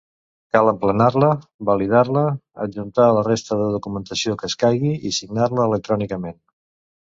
Cal emplenar-la, validar-la, adjuntar la resta de documentació que escaigui i signar-la electrònicament.